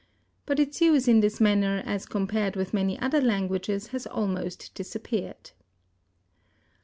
But its use in this manner as compared with many other languages has almost disappeared.